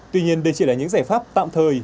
tuy nhiên đây chỉ là những giải pháp tạm thời